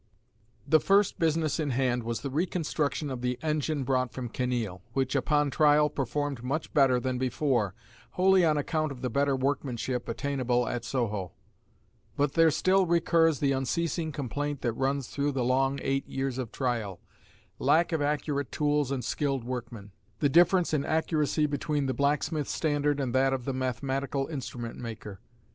The first business in hand was the reconstruction of the engine brought from Kinneil, which upon trial performed much better than before, wholly on account of the better workmanship attainable at Soho; but there still recurs the unceasing complaint that runs throughout the long eight years of trial lack of accurate tools and skilled workmen, the difference in accuracy between the blacksmith standard and that of the mathematical instrument maker.